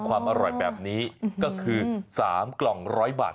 ความอร่อยแบบนี้ก็คือ๓กล่อง๑๐๐บาท